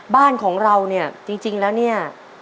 บ้านของเราเนี่ยจริงแล้วเนี่ย